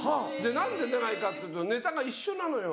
何で出ないかっていうとネタが一緒なのよ。